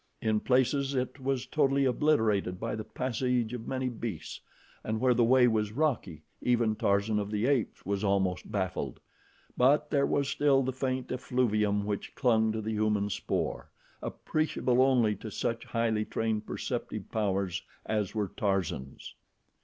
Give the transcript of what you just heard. In places it was totally obliterated by the passage of many beasts, and where the way was rocky, even Tarzan of the Apes was almost baffled; but there was still the faint effluvium which clung to the human spoor, appreciable only to such highly trained perceptive powers as were Tarzan's.